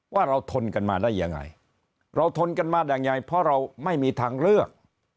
ว่าเราทนกันมาได้ยังไงเราทนกันมายังไงเพราะเราไม่มีทางเลือก